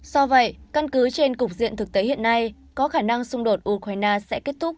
do vậy căn cứ trên cục diện thực tế hiện nay có khả năng xung đột ukraine sẽ kết thúc